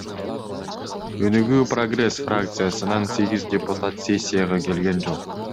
Өнүгүү — Прогресс фракциясынан сегиз депутат сессияга келген жок.